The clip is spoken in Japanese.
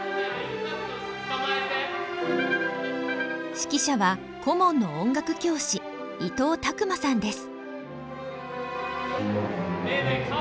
指揮者は顧問の音楽教師伊藤巧真さんです。